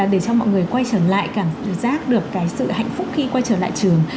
để cho mọi người quay trở lại cảm giác được cái sự hạnh phúc khi quay trở lại trường